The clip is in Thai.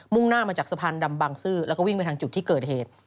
่งหน้ามาจากสะพานดำบังซื้อแล้วก็วิ่งไปทางจุดที่เกิดเหตุ